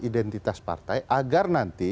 identitas partai agar nanti